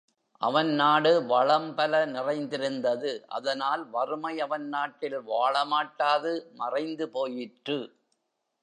அவன் நாடு வளம் பல நிறைந்திருந்தது அதனால், வறுமை அவன் நாட்டில் வாழமாட்டாது மறைந்து போயிற்று.